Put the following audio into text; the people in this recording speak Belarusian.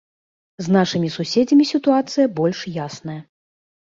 З нашымі суседзямі сітуацыя больш ясная.